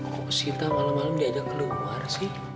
kok sita malam malam diajak keluar sih